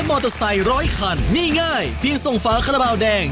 มอเตอร์ไซค์ร้อยคันง่ายเพียงส่งฝาคาราบาลแดง